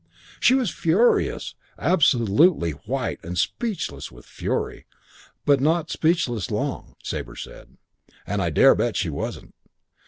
She was furious. Absolutely white and speechless with fury; but not speechless long, Sabre said, and I dare bet she wasn't.